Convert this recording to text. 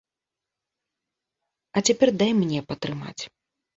А цяпер дай мне патрымаць.